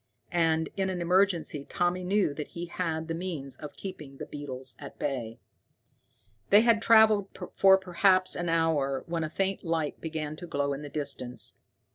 And, in an emergency, Tommy knew that he had the means of keeping the beetles at bay. They had traveled for perhaps an hour when a faint light began to glow in the distance.